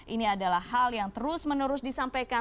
ini adalah hal yang terus menerus disampaikan